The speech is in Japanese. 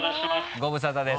ご無沙汰です。